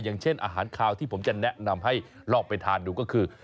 อย่างเช่นอาหารคาวที่ผมจะแนะนำให้ลองไปทานดูก็คือ